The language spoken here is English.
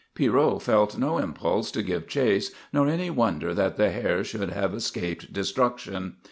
Pierrot felt no impulse to give chase nor any wonder that the hare should have escaped destruction.